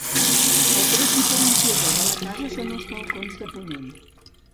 El tret diferenciador de la casa són els balcons de ponent.